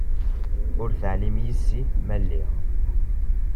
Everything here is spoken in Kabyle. Ur teɛlim yess-i ma lliɣ.